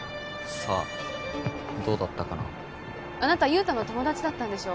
さあどうだったかなあなた雄太の友達だったんでしょ？